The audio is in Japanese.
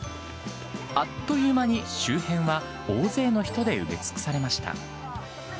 あっという間に周辺は大勢の人で埋め尽くされました。